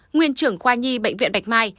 nguyên trưởng khoa nhi bệnh viện bạch mai